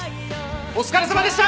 お疲れさまでした！